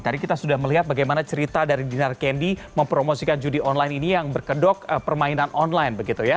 tadi kita sudah melihat bagaimana cerita dari dinar kendi mempromosikan judi online ini yang berkedok permainan online begitu ya